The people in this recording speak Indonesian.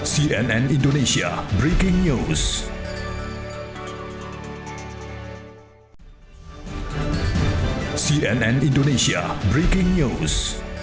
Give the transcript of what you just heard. cnn indonesia breaking news